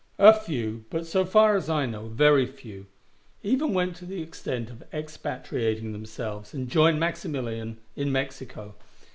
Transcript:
A few, but so far as I know very few, even went to the extent of expatriating themselves, and joined Maximilian in Mexico.